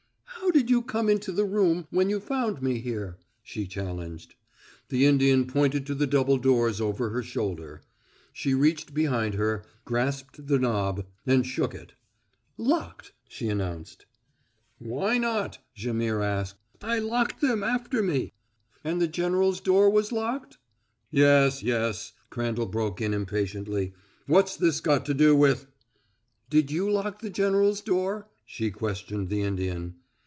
"How did you come into the room when you found me here?" she challenged. The Indian pointed to the double doors over her shoulder. She reached behind her, grasped the knob, and shook it. "Locked!" she announced. "Why not?" Jaimihr asked. "I locked them after me." "And the general's door was locked?" "Yes yes!" Crandall broke in impatiently. "What's this got to do with " "Did you lock the general's door?" she questioned the Indian.